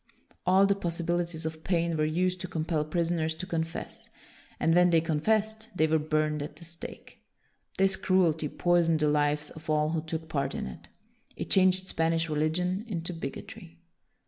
All the possibilities of pain were used to compel prisoners to confess, and when they confessed they were burned at the stake. This cruelty poisoned the lives of all who took part in it. It changed Spanish religion into bigotry.